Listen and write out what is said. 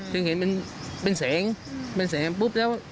เห็นเป็นแสงเป็นแสงปุ๊บแล้ว